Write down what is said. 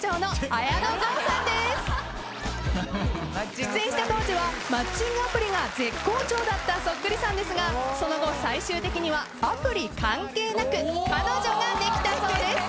出演した当時はマッチングアプリが絶好調だったそっくりさんですがその後最終的にはアプリ関係なく彼女ができたそうです。